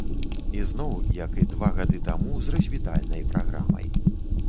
І зноў, як і два гады таму, з развітальнай праграмай.